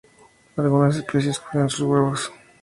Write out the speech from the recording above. Algunas especies cuidan sus huevos.